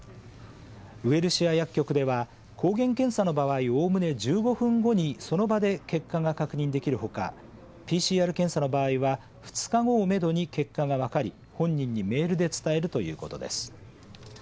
ウエルシア薬局では抗原検査の場合おおむね１５分後にその場で結果が確認できるほかＰＣＲ検査の場合は２日後をめどに結果が分かり本人にメールで伝えるということです。